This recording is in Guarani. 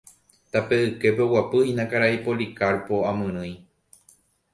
Tape yképe oguapyhína karai Policarpo amyrỹi.